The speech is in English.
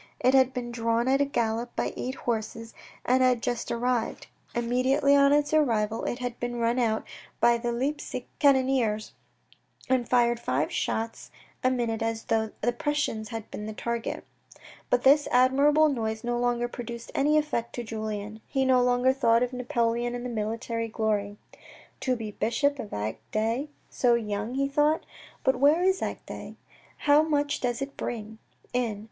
It had been drawn at a gallop by eight horses and had just arrived. Immediately on its arrival it had been run out by the Leipsic cannoneers and fired five shots a minute as though the Prussians had been the target. But this admirable noise no longer produced any effect on Julien. He no longer thought of Napoleon and military glory. " To be bishop of Agde so young," he thought. " But where is Agde ? How much does it bring in ?